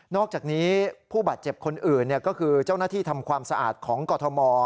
อกจากนี้ผู้บาดเจ็บคนอื่นก็คือเจ้าหน้าที่ทำความสะอาดของกรทม